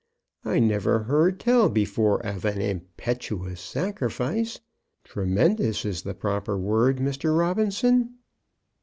I never heard tell before of an impetuous sacrifice. Tremendous is the proper word, Mr. Robinson."